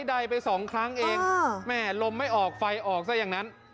ใดไปสองครั้งเองแม่ลมไม่ออกไฟออกซะอย่างนั้น